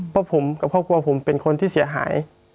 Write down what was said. เพราะผมกับครอบครัวผมเป็นคนที่เสียหาย